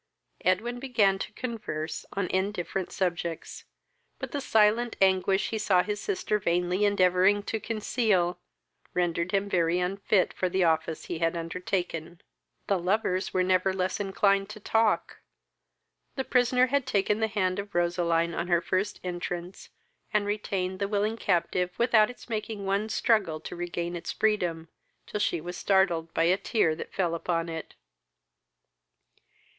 Edwin began to converse on indifferent subjects; but the silent anguish he saw his sister vainly endeavouring to conceal rendered him very unfit for the office he had undertaken. The lovers were never less inclined to talk. The prisoner had taken the hand of Roseline on her first entrance, and retained the willing captive without its making one struggle to regain its freedom, till she was startled by a tear that fell upon it.